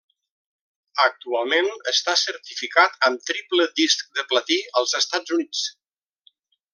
Actualment està certificat amb triple disc de platí als Estats Units.